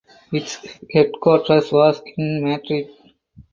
Its headquarters was in Madrid.